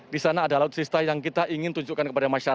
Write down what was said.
di sana ada alutsista yang kita ingin tunjukkan kepada masyarakat